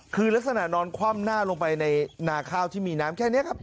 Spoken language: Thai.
คือลักษณะนอนคว่ำหน้าลงไปในนาข้าวที่มีน้ำแค่นี้ครับ